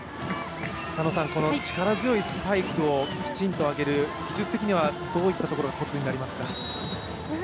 力強いスパイクをしっかりと上げる技術的にはどういったところがコツになりますか？